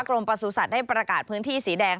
กรมประสูจน์สัตว์ได้ประกาศพื้นที่สีแดง